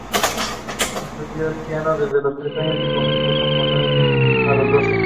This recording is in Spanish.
Estudió el piano desde los tres años y comenzó a componer a los doce.